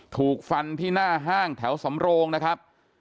ถูกฟันที่หน้าห้างแถวสำโรงนะครับ